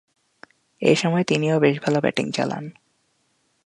এ সময়ে তিনিও বেশ ভালো ব্যাটিং চালান।